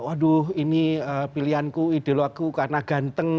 aduh ini pilihanku ide lo aku karena ganteng